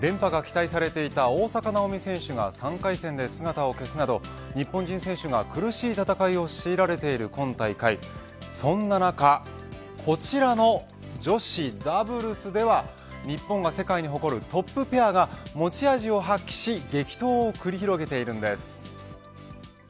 連覇が期待されていた大坂なおみ選手が３回戦で姿を消すなど日本人選手が苦しい戦いを強いられている今大会そんな中、こちらの女子ダブルスでは日本が世界に誇るトップペアが持ち味を発揮し激闘を繰り広げているんです。